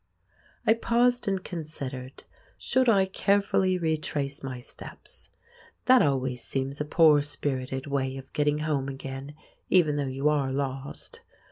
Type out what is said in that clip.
I paused and considered: Should I carefully retrace my steps? That always seems a poor spirited way of getting home again, even though you are lost!